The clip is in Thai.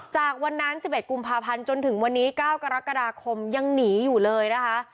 จากวันนั้น๑๑กุมภาพันธ์จนถึงวันนี้๙กรกฎาคมยังหนีอยู่เลยนะคะ